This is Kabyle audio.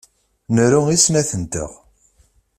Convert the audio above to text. Nru i snat-nteɣ.